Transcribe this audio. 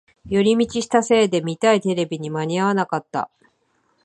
寄り道したせいで見たいテレビに間に合わなかった